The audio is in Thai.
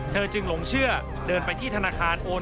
เธอจึงหลงเชื่อเดินไปที่ธนาคารโอน